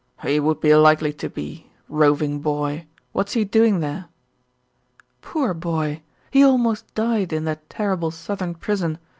"He would be likely to be. Roving boy! What's he doing there?" "Poor boy! He almost died in that terrible southern prison.